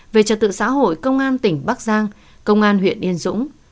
về trật tự xã hội công an tỉnh bắc giang công an huyện yên dũng